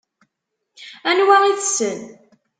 Anwa i tessen?